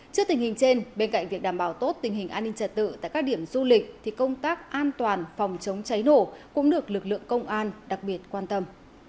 trước tình hình trên bên cạnh việc đảm bảo tốt tình hình an ninh trật tự tại các điểm du lịch thì công tác an toàn phòng chống cháy nổ cũng được lực lượng công an đặc biệt quan tâm